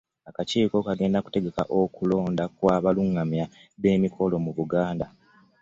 Akakiiko kagenda okutegeka okulonda kw'abalungamya b'emikolo mu Buganda.